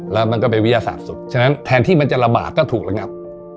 แล้วมันก็เป็นวิทยาศาสตร์สุดฉะนั้นแทนที่มันจะระบาดก็ถูกระงับ